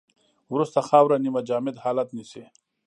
وروسته خاوره نیمه جامد حالت نیسي